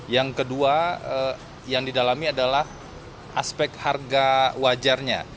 yang kedua yang didalami adalah aspek harga wajarnya